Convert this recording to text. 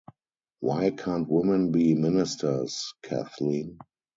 Why can’t women be ministers, Kathleen?